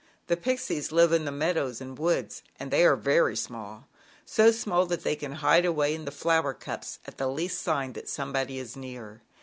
The Pixies live in the meadows and woods, and they are very small, so small that they can hide away in the flower cups at the least sign that some body is near.